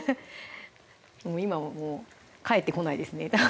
今ももう帰ってこないですね